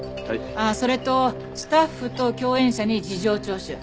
ああそれとスタッフと共演者に事情聴取。